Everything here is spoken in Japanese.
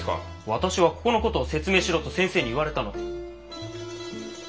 私はここの事を説明しろと先生に言われたので。